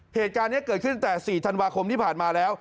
เหตุการณ์นี้เกิดขึ้นแต่๔ธันวาคมที่ผ่านมาแล้ว